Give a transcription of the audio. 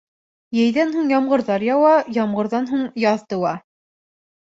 — Йәйҙән һуң ямғырҙар яуа, ямғырҙан һуң яҙ тыуа.